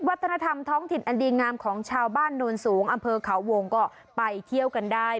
วัฒนธรรมท้องถิ่นอันดีงามของชาวบ้านโนนสูงอำเภอเขาวงก็ไปเที่ยวกันได้